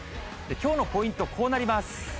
きょうのポイント、こうなります。